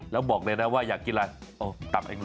แล้วบอกเลยนะว่าอยากกินอะไรเอาตับเองเลย